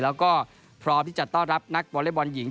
แล้วก็พร้อมที่จะต้อนรับนักวอเล็กบอลหญิง